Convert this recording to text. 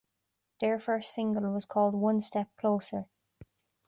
Their first single was called "One Step Closer".